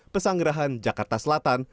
pesanggerahan jakarta selatan